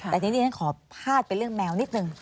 แต่ทีนี้ฉันขอพาดไปเรื่องแมวนิดนึง